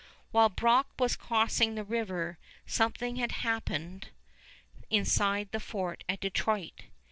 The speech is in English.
While Brock was crossing the river, something had happened inside the fort at Detroit.